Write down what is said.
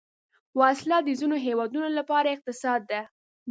وسله د ځینو هیوادونو لپاره اقتصاد ده